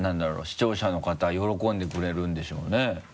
視聴者の方喜んでくれるんでしょうね？